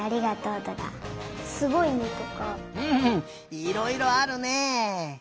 うんいろいろあるね。